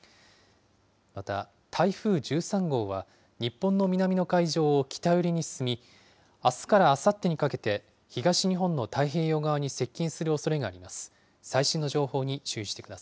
また、台風１３号は、日本の南の海上を北寄りに進み、あすからあさってにかけて、東日本の太平洋側に接近するおそれがあります。